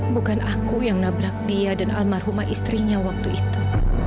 bukan aku yang nabrak dia dan almarhumah istrinya waktu itu